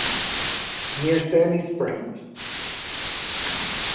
Near Sandy Springs.